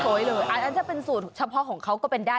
ก็โซ๊ยเลยอันนั้นถ้าเป็นสูตรเฉพาะของเขาก็เป็นได้